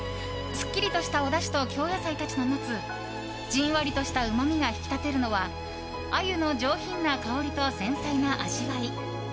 すっきりとしたおだしと京野菜たちが持つじんわりとしたうまみが引き立てるのはアユの上品な香りと繊細な味わい。